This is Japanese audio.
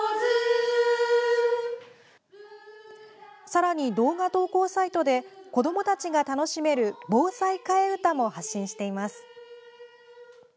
さらに動画投稿サイトで子どもたちが楽しめる防災替え歌も発信しています。